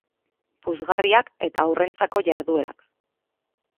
Puzgarriak eta haurrentzako jarduerak.